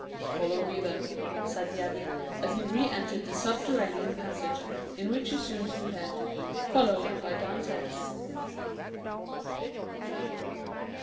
"Follow me, then," said the abbé, as he re entered the subterranean passage, in which he soon disappeared, followed by Dantès.